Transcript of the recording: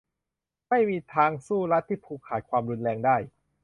ไม่มีทางสู้รัฐที่ผูกขาดความรุนแรงได้